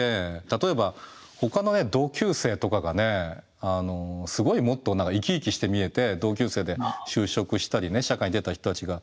例えばほかの同級生とかがねすごいもっと生き生きして見えて同級生で就職したり社会に出た人たちが。